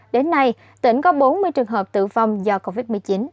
đến nay tỉnh có bốn mươi trường hợp tử vong do covid một mươi chín